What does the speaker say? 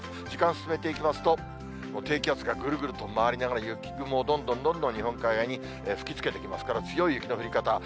時間進めていきますと、低気圧がぐるぐると回りながら雪雲をどんどんどんどん日本海側に吹きつけてきますから、強い雪の降り方。